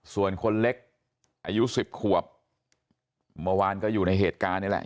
ส่วนคนเล็กอายุ๑๐ขวบเมื่อวานก็อยู่ในเหตุการณ์นี่แหละ